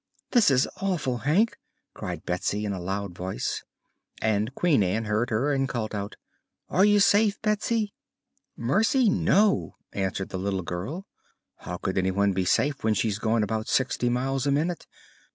"This is awful, Hank!" cried Betsy in a loud voice, and Queen Ann heard her and called out: "Are you safe, Betsy?" "Mercy, no!" answered the little girl. "How could anyone be safe when she's going about sixty miles a minute?"